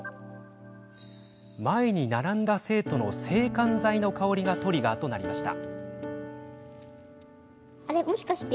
前に並んだ生徒の制汗剤の香りがトリガーとなりました。